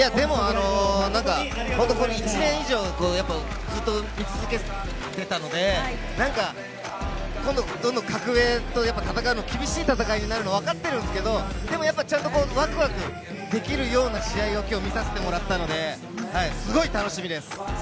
本当に１年以上、ずっと見続けてたので、どんどん格上と戦うの、厳しい戦いになるのはわかってるんですけれども、ちゃんとワクワクできるような試合をきょう見させてもらったので、すごい楽しみです。